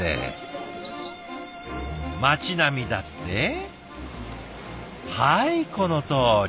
街並みだってはいこのとおり。